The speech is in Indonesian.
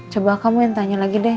coba kamu yang tanya lagi deh